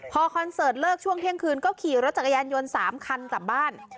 พอคอนเสิร์ตเลิกช่วงเที่ยงคืนก็ขี่รถจักรยานยนต์๓คันกลับบ้าน